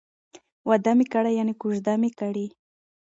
واده می کړی ،یعنی کوزده می کړې